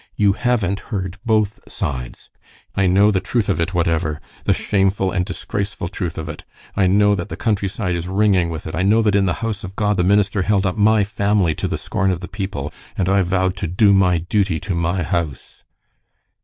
"You haven't heard both sides." "I know the truth of it, whatever, the shameful and disgraceful truth of it. I know that the country side is ringing with it. I know that in the house of God the minister held up my family to the scorn of the people. And I vowed to do my duty to my house."